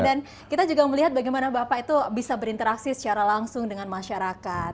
dan kita juga melihat bagaimana bapak itu bisa berinteraksi secara langsung dengan masyarakat